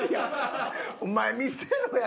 お前見せろや！